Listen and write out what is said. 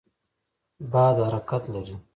باد حرکت لري.